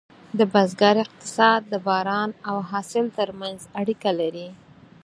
د بزګر اقتصاد د باران او حاصل ترمنځ اړیکه لري.